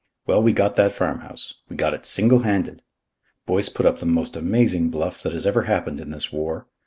Well, we got that farmhouse. We got it single handed. Boyce put up the most amazing bluff that has ever happened in this war.